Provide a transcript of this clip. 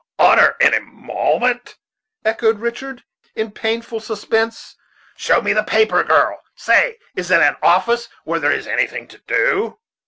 "Honor and emolument!" echoed Richard, in painful suspense; "show me the paper, girl. Say, is it an office where there is anything to do?"